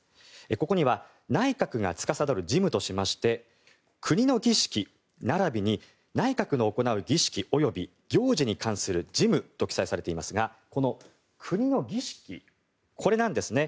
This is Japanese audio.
ここには内閣がつかさどる事務としまして、国の儀式並びに内閣の行う儀式及び行事に関する事務と記載されていますがこの国の儀式、これなんですね。